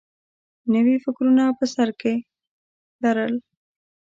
نوي فکرونه په سر کې لرل